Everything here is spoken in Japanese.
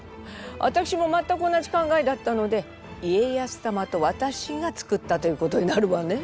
わたくしも全く同じ考えだったので家康様とわたしが作ったということになるわね。